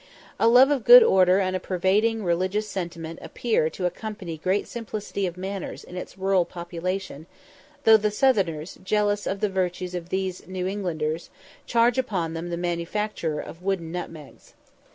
A love of good order and a pervading religious sentiment appear to accompany great simplicity of manners in its rural population, though the Southerners, jealous of the virtues of these New Englanders, charge upon them the manufacture of wooden nutmegs.